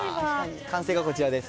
完成がこちらです。